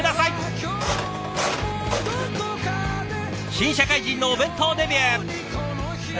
新社会人のお弁当デビュー。